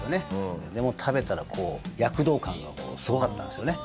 食べたら躍動感がすごかったんですよね。